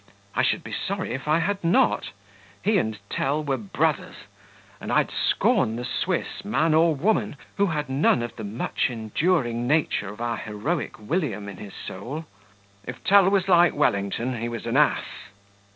"I should be sorry if I had not; he and Tell were brothers, and I'd scorn the Swiss, man or woman, who had none of the much enduring nature of our heroic William in his soul." "If Tell was like Wellington, he was an ass."